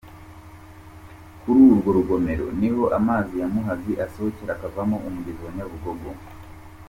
Kuri urwo rugomero niho amazi ya Muhazi asohokera akavamo umugezi wa Nyabugogo.